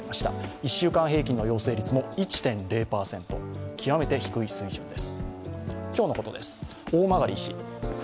１週間平均の陽性率も１．０％、極めて低い水準です。